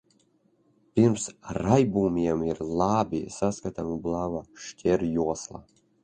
Pirms raibumiem ir labi saskatāma blāva šķērsjosla.